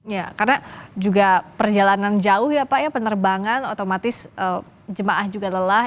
ya karena juga perjalanan jauh ya pak ya penerbangan otomatis jemaah juga lelah